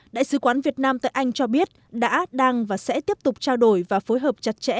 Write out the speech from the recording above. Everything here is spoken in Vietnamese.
đại sứ quán việt nam tại anh cho biết đã đang và sẽ tiếp tục trao đổi và phối hợp chặt chẽ